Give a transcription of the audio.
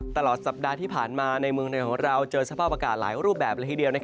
ตลอดสัปดาห์ที่ผ่านมาในเมืองในของเราเจอสภาพอากาศหลายรูปแบบละทีเดียว